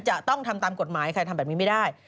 จะต้องทำตามกฎหมายใครทำแบบนี้ไม่ได้